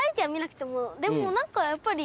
でもなんかやっぱり。